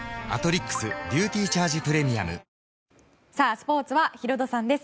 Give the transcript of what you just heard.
スポーツはヒロドさんです。